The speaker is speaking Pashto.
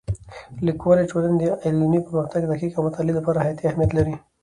لیکوالی د ټولنې د علمي پرمختګ، تحقیق او مطالعې لپاره حیاتي اهمیت لري.